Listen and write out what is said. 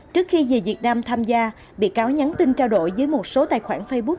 trước khi về việt nam tham gia bị cáo nhắn tin trao đổi với một số tài khoản facebook